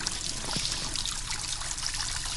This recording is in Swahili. aah aliyekuwa mkuu wa mkoa wa dar es salam kwa sasa